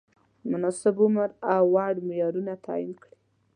مناسب عمر او وړ معیارونه تعین کړي.